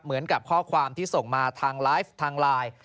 เหมือนกับข้อความที่ส่งมาทางไลฟ์ทางไลน์